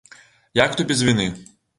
Як то без віны?